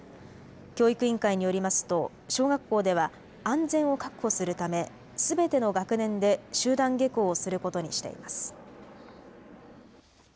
教育委員会によりますと小学校では安全を確保するためすべての学年で集団下校をすることにしています。